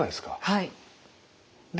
はい。